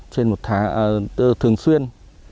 trên một tháng thường xuyên